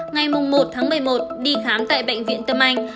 ngày một tháng một mươi một đi khám tại bệnh viện tâm anh